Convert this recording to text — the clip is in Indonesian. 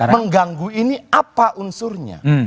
mengganggu ini apa unsurnya